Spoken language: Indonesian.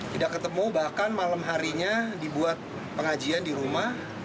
tidak ketemu bahkan malam harinya dibuat pengajian di rumah